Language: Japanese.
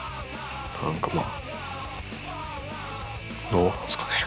何かまあどうなんですかね？